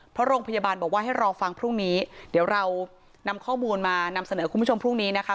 เพราะโรงพยาบาลบอกว่าให้รอฟังพรุ่งนี้เดี๋ยวเรานำข้อมูลมานำเสนอคุณผู้ชมพรุ่งนี้นะคะ